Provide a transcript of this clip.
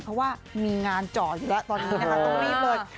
เพราะว่ามีงานเจาะอยู่แล้วตอนนี้นะคะต้องรีบเลย